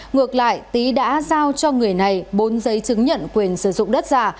ngược lại tý đã giao cho người này bốn giấy chứng nhận quyền sử dụng đất giả